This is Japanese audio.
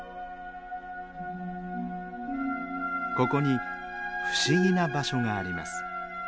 ここに不思議な場所があります。